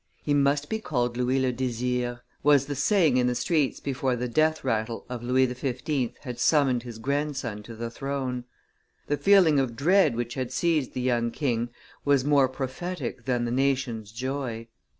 "He must be called Louis le Desire," was the saying in the streets before the death rattle of Louis XV. had summoned his grandson to the throne. The feeling of dread which had seized the young king was more prophetic than the nation's joy.